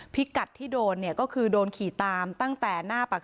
พิกัดที่โดนเนี่ยก็คือโดนขี่ตามตั้งแต่หน้าปาก